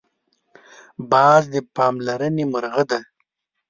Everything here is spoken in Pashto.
باز د پاملرنې مرغه دی